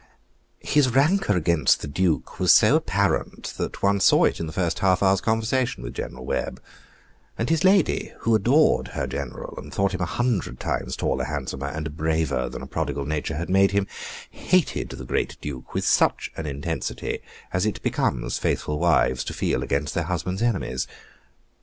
His rancor against the Duke was so apparent, that one saw it in the first half hour's conversation with General Webb; and his lady, who adored her General, and thought him a hundred times taller, handsomer, and braver than a prodigal nature had made him, hated the great Duke with such an intensity as it becomes faithful wives to feel against their husbands' enemies.